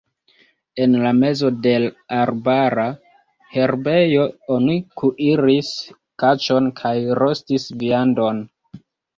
En la mezo de l' arbara herbejo oni kuiris kaĉon kaj rostis viandon.